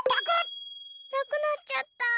・なくなっちゃった！